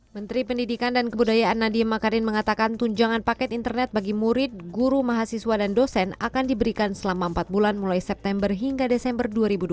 menteri pendidikan dan kebudayaan nadiem makarim mengatakan tunjangan paket internet bagi murid guru mahasiswa dan dosen akan diberikan selama empat bulan mulai september hingga desember dua ribu dua puluh